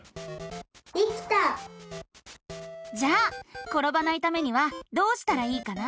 できた！じゃあころばないためにはどうしたらいいかな？